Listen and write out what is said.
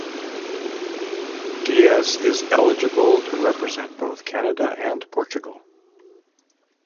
Dias is eligible to represent both Canada and Portugal.